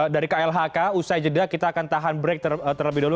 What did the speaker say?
dari klhk usai jeda kita akan tahan break terlebih dahulu